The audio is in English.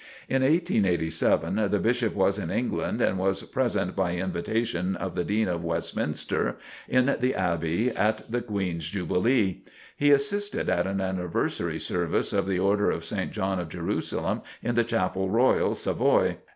In 1887 the Bishop was in England and was present by invitation of the Dean of Westminster, in the Abbey at the Queen's Jubilee. He assisted at an anniversary service of the Order of St. John of Jerusalem, in the Chapel Royal, Savoy.